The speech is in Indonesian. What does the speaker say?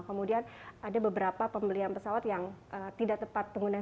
kemudian ada beberapa pembelian pesawat yang tidak tepat penggunaan